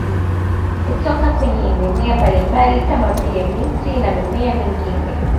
Kutoka kwenye mimea mbalimbali kama vile miti na mimea mingine